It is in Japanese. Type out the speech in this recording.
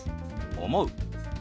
「思う」。